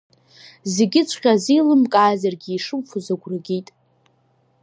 Зегьыҵәҟьа азеилымкаазаргьы, ишимфоз агәра агеит.